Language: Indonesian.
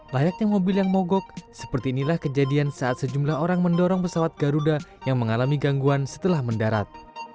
layaknya mobil yang mogok seperti inilah kejadian saat sejumlah orang mendorong pesawat garuda yang mengalami gangguan setelah mendarat